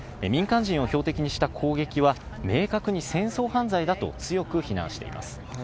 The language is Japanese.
民間人を標的にした攻撃は、明確に戦争犯罪だと強く非難しています。